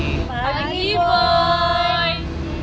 selamat pagi boy